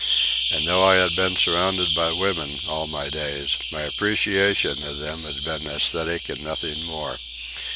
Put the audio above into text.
And though I had been surrounded by women all my days, my appreciation of them had been æsthetic and nothing more.